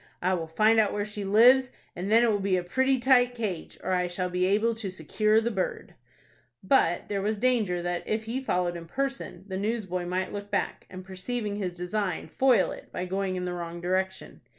"I will find out where she lives, and then it will be a pretty tight cage, or I shall be able to secure the bird." But there was danger that, if he followed in person, the newsboy might look back, and, perceiving his design, foil it by going in the wrong direction.